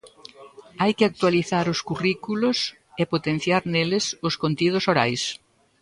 Hai que actualizar os currículos e potenciar neles os contidos orais.